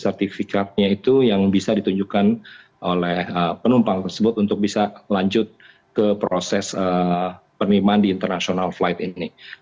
sertifikatnya itu yang bisa ditunjukkan oleh penumpang tersebut untuk bisa lanjut ke proses penerimaan di international flight ini